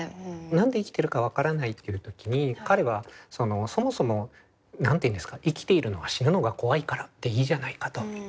何で生きてるか分からないっていう時に彼はそもそも何て言うんですか「生きているのは死ぬのが怖いからでいいじゃないか」と。